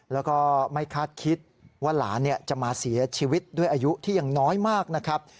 แล้วก็ไม่คาดคิดว่าหลานจะมาเสียชีวิตด้วยอายุที่ยังน้อยมากนะครับ